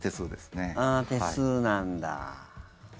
手数なんだ。